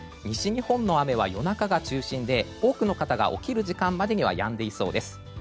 西日本の雨は夜中が中心で多くの方が起きる時間までにはやんでいそうです。